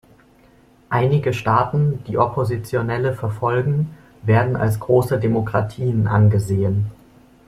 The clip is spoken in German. Einige Staaten, die Oppositionelle verfolgen, werden als große Demokratien angesehen.